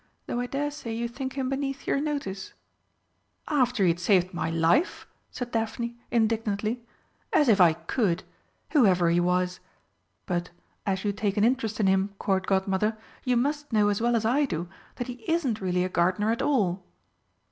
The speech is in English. Though I dare say you think him beneath your notice." "After he had saved my life!" said Daphne indignantly. "As if I could whoever he was! But, as you take an interest in him, Court Godmother, you must know as well as I do that he isn't really a gardener at all."